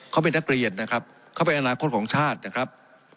เขาเป็นนักเรียนนะครับเขาเป็นอนาคตของชาตินะครับ